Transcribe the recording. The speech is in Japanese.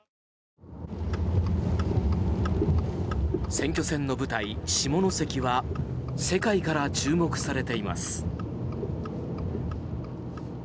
選挙戦の舞台、下関は世界から注目されています。